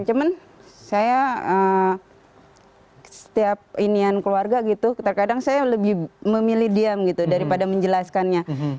cuman saya setiap inian keluarga gitu terkadang saya lebih memilih diam gitu daripada menjelaskannya